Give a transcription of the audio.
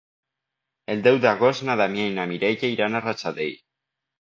El deu d'agost na Damià i na Mireia iran a Rajadell.